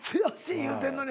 言うてんのに。